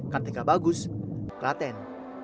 kartika bagus kelaten